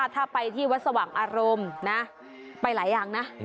ถ้าไปที่วัดสว่างอารมณ์นะไปหลายอย่างนะ